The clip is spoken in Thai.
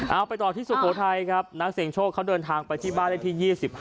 เอาไปต่อที่สุโขทัยครับนักเสียงโชคเขาเดินทางไปที่บ้านเลขที่๒๕